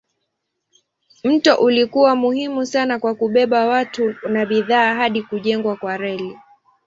Mto ulikuwa muhimu sana kwa kubeba watu na bidhaa hadi kujengwa kwa reli.